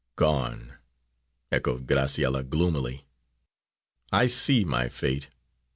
"Gone," echoed Graciella, gloomily. "I see my fate!